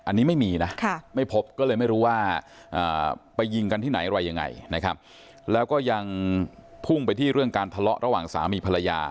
อันนี้ไม่มีนะไม่พบก็เลยไม่รู้ว่าไปยิงกันที่ไหนอะไรยังไงนะครับแล้วก็ยังพุ่งไปที่เรื่องการทะเลาะระหว่างสามีภรรยา